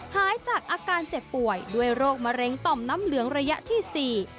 หายจากอาการเจ็บป่วยด้วยโรคมะเร็งต่อมน้ำเหลืองระยะที่สี่